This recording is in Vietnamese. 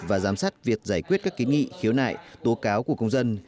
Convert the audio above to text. và giám sát việc giải quyết các kiến nghị khiếu nại tố cáo của công dân